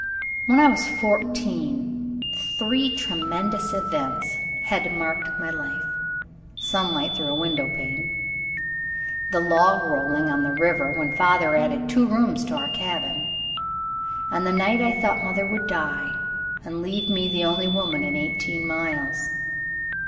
When I was fourteen three tremendous events had marked my life: sunlight through a window pane; the logrolling on the river when father added two rooms to our cabin; and the night I thought mother would die and leave me the only woman in eighteen miles.